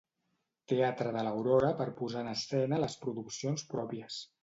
Teatre de l'Aurora per posar en escena les produccions pròpies.